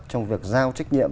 trong việc giao trách nhiệm